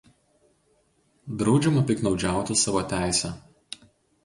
Draudžiama piktnaudžiauti savo teise.